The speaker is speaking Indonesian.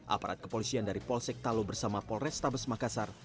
aparat kepolisian dari polsek talo bersama polrestabes makassar